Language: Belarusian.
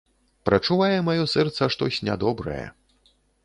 Прачувае маё сэрца штось нядобрае.